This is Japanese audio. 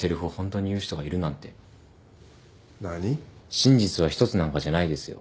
真実は１つなんかじゃないですよ。